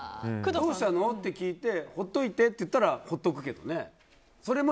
どうしたの？って聞いて放っておいてって言ったら放っておくけどね。